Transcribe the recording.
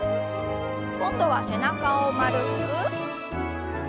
今度は背中を丸く。